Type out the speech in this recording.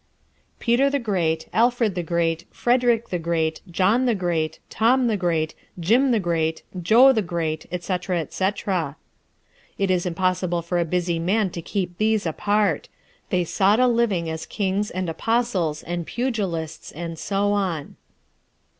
Peter the Great, Alfred the Great, Frederick the Great, John the Great, Tom the Great, Jim the Great, Jo the Great, etc., etc. It is impossible for a busy man to keep these apart. They sought a living as kings and apostles and pugilists and so on.